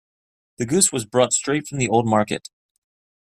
The goose was brought straight from the old market.